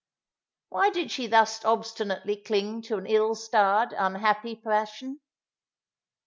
Why did she thus obstinately cling to an ill starred, unhappy passion?